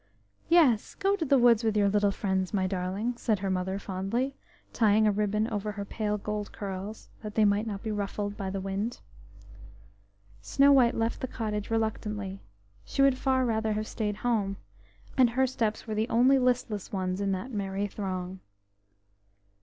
"Yes! go to the woods with your little friends, my darling," said her mother fondly, tying a ribbon over her pale gold curls, that they might not be ruffled by the wind. Snow white left the cottage reluctantly; she would far rather have stayed at home, and her steps were the only listless ones in that merry throng.